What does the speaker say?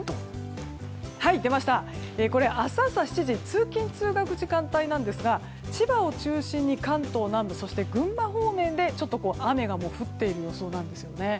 これは明日朝７時通勤・通学時間帯なんですが千葉を中心に関東南部そして群馬方面でちょっと雨が降っている予想なんですね。